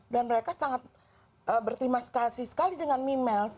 dan mereka sangat bertima kasih sekali dengan mimels